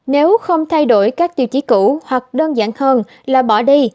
nếu không thay đổi các tiêu chí cũ hoặc đơn giản hơn là bỏ đi